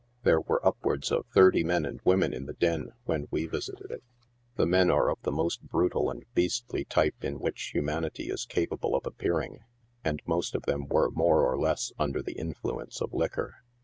There were upwards of thirty men and women in the den when we visited it. The men are of the most brutal and beastly type in which humanity is capable of appearing, and most of them were more or less under the influence f liquor.